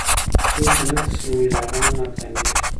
څوک چې نه تسلیمېږي، هغه نه ناکامېږي.